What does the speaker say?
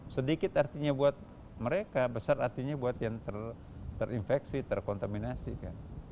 sedikit artinya buat mereka besar artinya buat yang terinfeksi terkontaminasi kan